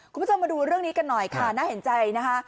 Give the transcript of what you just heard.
คุณผู้ชมมาดูเรื่องนี้กันหน่อยค่ะน่าเห็นใจนะคะ